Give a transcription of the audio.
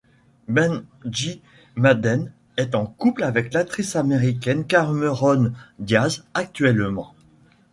Benji Madden est en couple avec l'actrice américaine Cameron Diaz actuellement.